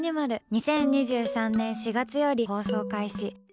２０２３年４月より放送開始。